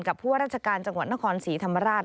ผู้ว่าราชการจังหวัดนครศรีธรรมราช